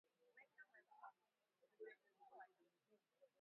weka maziwa kwenye mchanganyiko wa keki